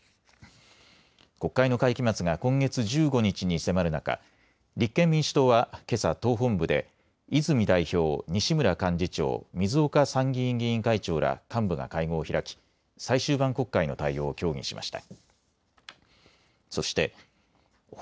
国会の会期末が今月１５日に迫る中、立憲民主党はけさ党本部で泉代表、西村幹事長、水岡参議院議員会長ら幹部が会合を開き最終盤国会の対応を協議しました。